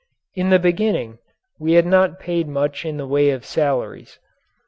In the beginning we had not paid much in the way of salaries.